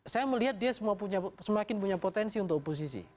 saya melihat dia semakin punya potensi untuk oposisi